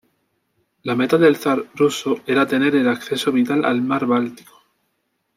La meta del zar ruso era tener el acceso vital al mar Báltico.